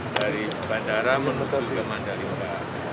dari bandara menuju ke mandalika